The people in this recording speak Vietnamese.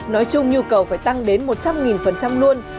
nói chung nhu cầu phải tăng đến một trăm linh luôn